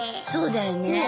そうだよね。